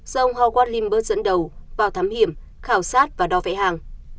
do ông howard limburg dẫn đầu vào thám hiểm khảo sát và đo vẽ hang